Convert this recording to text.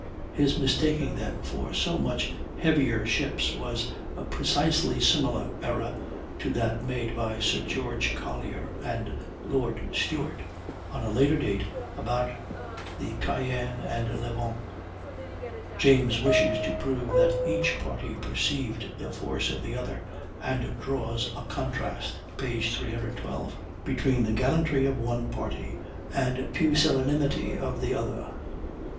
His mistaking them for so much heavier ships was a precisely similar error to that made by Sir George Collier and Lord Stuart at a later date about the Cyane and Levant. James wishes to prove that each party perceived the force of the other, and draws a contrast (p. 312) between the "gallantry of one party and pusillanimity of the other."